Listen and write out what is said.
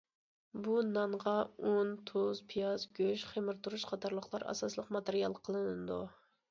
بۇ نانغا ئۇن، تۇز، پىياز، گۆش، خېمىرتۇرۇچ قاتارلىقلار ئاساسلىق ماتېرىيال قىلىنىدۇ.